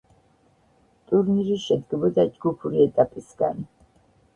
ტურნირი შედგებოდა ჯგუფური ეტაპისგან.